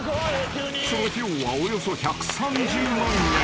［その費用はおよそ１３０万円］